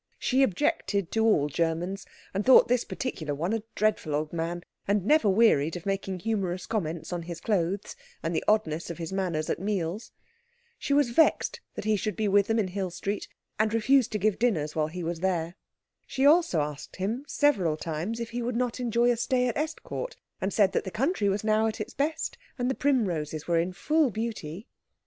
She objected to all Germans, and thought this particular one a dreadful old man, and never wearied of making humorous comments on his clothes and the oddness of his manners at meals. She was vexed that he should be with them in Hill Street, and refused to give dinners while he was there. She also asked him several times if he would not enjoy a stay at Estcourt, and said that the country was now at its best, and the primroses were in full beauty.